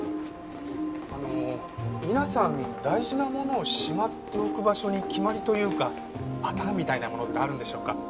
あの皆さん大事なものをしまっておく場所に決まりというかパターンみたいなものってあるんでしょうか？